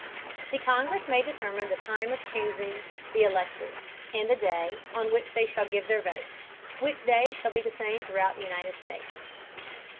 The Congress may determine the Time of chusing the Electors, and the Day on which they shall give their Votes; which Day shall be the same throughout the United States.